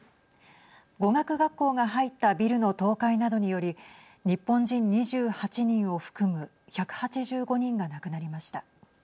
語学学校が入ったビルの倒壊などにより日本人２８人を含む１８５人が亡くなりました。